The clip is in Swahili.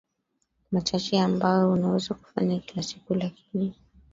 machache ambayo unaweza kufanya kila siku lakini